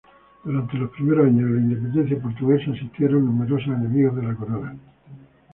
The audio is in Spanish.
Durante los primeros años de la independencia portuguesa, existieron numerosos enemigos de la corona.